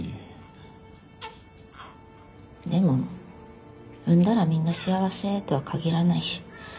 でも産んだらみんな幸せとは限らないし。